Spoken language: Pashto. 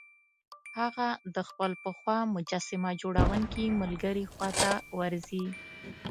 هغه د خپل پخوا مجسمه جوړوونکي ملګري لیدو ته ورځي